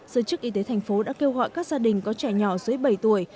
giới chức y tế thành phố đã kêu gọi các gia đình có trẻ nhỏ dưới bảy tuổi